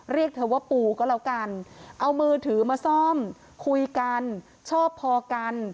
เรียกเธอว่าปูก็แล้วกันเอามือถือมาซ่อมคุยกันชอบพอกัน